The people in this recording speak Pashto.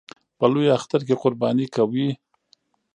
په لوی اختر کې قرباني کوي